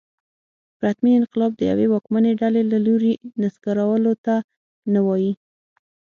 پرتمین انقلاب د یوې واکمنې ډلې له لوري نسکورولو ته نه وايي.